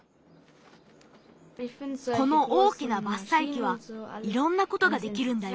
この大きなばっさいきはいろんなことができるんだよ。